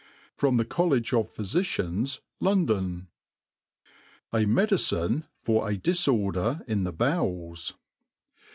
From the College of Phyfici^ns, London. jt Medicine for a Difirder in the Bowels.